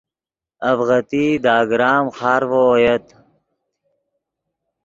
اڤغتئی دے اگرام خارڤو اویت